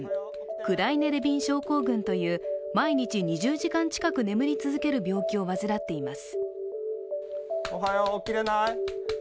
クライネ・レビン症候群という毎日２０時間近く眠り続ける病気を患っています。